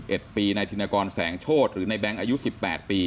อยู่๒๑ปีในธินกรแสงโชษหรือในแบงค์อายุ๑๘ปี